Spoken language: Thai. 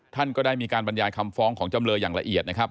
ท่านก็ได้มีการบรรยายคำฟ้องของจำเลยอย่างละเอียดนะครับ